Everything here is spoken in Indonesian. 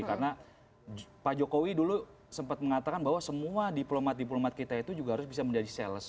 karena pak jokowi dulu sempat mengatakan bahwa semua diplomat diplomat kita itu juga harus bisa menjadi sales